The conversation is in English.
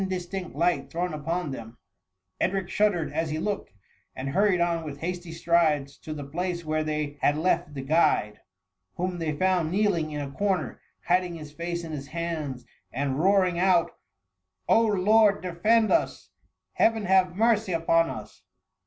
' disthict light thrown upon them, Edric shud* dered as he lodged, and hurried oa with hasty strides to the place where they had left the guide, whom they found kneeling in a cor«» ner, hiding his face in his hands, and roaring out, O Lord, defend us ! Heaven have mercy upon us